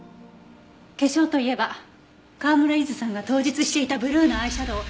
化粧といえば川村ゆずさんが当日していたブルーのアイシャドー